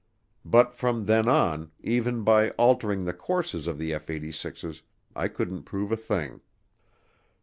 But from then on, even by altering the courses of the F 86's, I couldn't prove a thing.